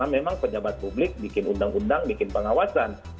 memang pejabat publik bikin undang undang bikin pengawasan